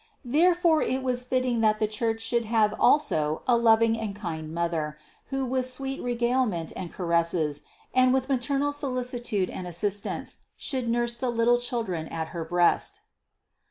Therefore it was befitting that the Church should have also a loving and kind Mother, who with sweet regale ment and caresses, and with maternal solicitude and as sistance, should nurse the little children at her breast (I.